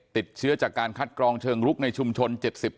ติดเชื้อจากการคัดกรองเชิงลุกในชุมชน๗๐